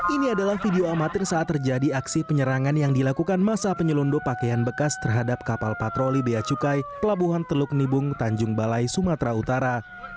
ini adalah video amatir saat terjadi aksi penyerangan yang dilakukan masa penyelundup pakaian bekas terhadap kapal patroli beacukai pelabuhan teluk nibung tanjung balai sumatera utara